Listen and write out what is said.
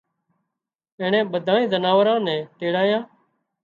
اينڻيئي ٻڌانئي زناوران نين تيڙايان